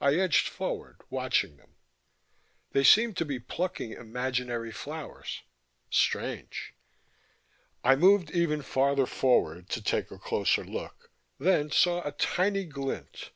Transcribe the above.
I edged forward, watching them. They seemed to be plucking imaginary flowers. Strange.... I moved even farther forward to take a closer look, then saw a tiny glint....